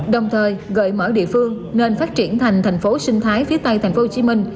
đồng thời gợi mở địa phương nên phát triển thành thành phố sinh thái phía tây tp hcm